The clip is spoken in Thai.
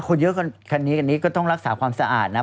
คนเยอะขนาดนี้ก็ต้องรักษาความสะอาดนะ